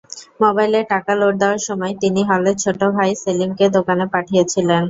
মোবাইলে টাকা লোড দেওয়ার জন্য তিনি হলের ছোট ভাই সেলিমকে দোকানে পাঠিয়েছিলেন।